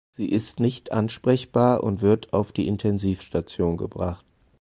Sie ist nicht ansprechbar und wird auf die Intensivstation gebracht.